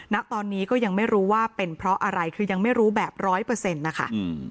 ณตอนนี้ก็ยังไม่รู้ว่าเป็นเพราะอะไรคือยังไม่รู้แบบ๑๐๐นะคะ